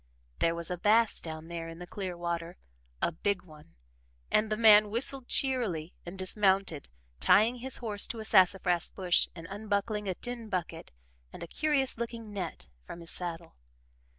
There was a bass down there in the clear water a big one and the man whistled cheerily and dismounted, tying his horse to a sassafras bush and unbuckling a tin bucket and a curious looking net from his saddle.